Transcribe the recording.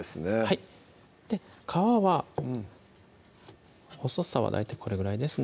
はい皮は細さは大体これぐらいですね